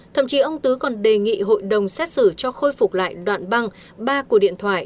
thậm chí ông tứ còn đề nghị hội đồng xét xử cho khôi phục lại đoạn băng ba cổ điện thoại